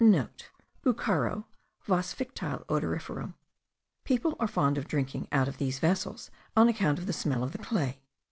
*(* Bucaro (vas fictile odoriferum). People are fond of drinking out of these vessels on account of the smell of the clay.